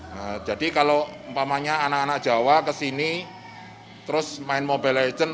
nah jadi kalau umpamanya anak anak jawa kesini terus main mobile legend